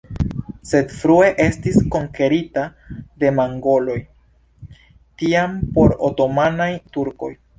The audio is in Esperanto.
Sed frue estis konkerita de mongoloj, tiam por otomanaj turkoj.